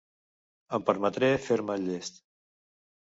Em permetré fer-me el llest.